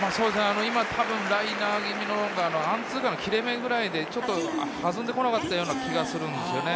ライナー気味のアンツーカーの切れ目ぐらいで、ちょっと弾んでこなかったような気がするんですよね。